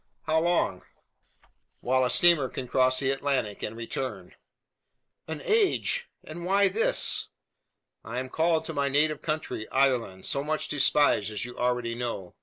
"How long?" "While a steamer can cross the Atlantic, and return." "An age! And why this?" "I am called to my native country Ireland, so much despised, as you already know.